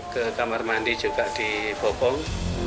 ke kamar mandi juga di popong